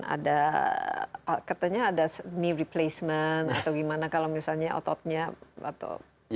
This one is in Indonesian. ada katanya ada new replacement atau gimana kalau misalnya ototnya atau